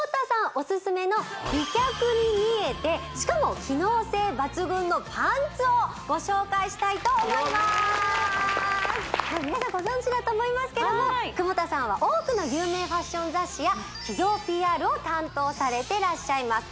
オススメの美脚に見えてしかも機能性抜群のパンツをご紹介したいと思います皆さんご存じだと思いますけども窪田さんは多くの有名ファッション雑誌や企業ＰＲを担当されてらっしゃいます